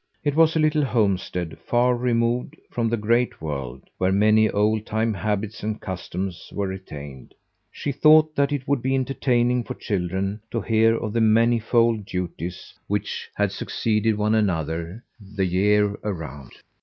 It was a little homestead, far removed from the great world, where many old time habits and customs were retained. She thought that it would be entertaining for children to hear of the manifold duties which had succeeded one another the year around.